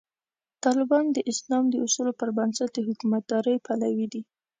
طالبان د اسلام د اصولو پر بنسټ د حکومتدارۍ پلوي دي.